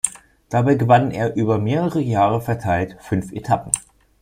Dabei gewann er über mehrere Jahre verteilt fünf Etappen.